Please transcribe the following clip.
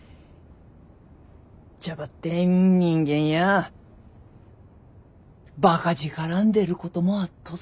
じゃばってん人間やバカ力ん出ることもあっとぞ。